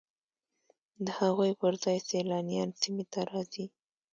د هغوی پر ځای سیلانیان سیمې ته راځي